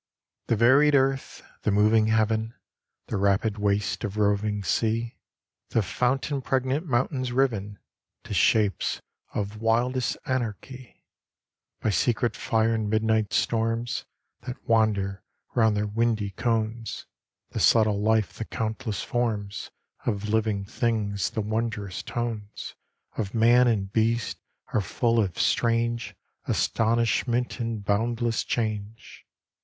_ The varied earth, the moving heaven, The rapid waste of roving sea, The fountainpregnant mountains riven To shapes of wildest anarchy, By secret fire and midnight storms That wander round their windy cones, The subtle life, the countless forms Of living things, the wondrous tones Of man and beast are full of strange Astonishment and boundless change.